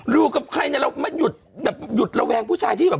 รูกับใครเนี่ยเราจบอยู่แบบอยู่ระแวงผู้ชายที่แบบ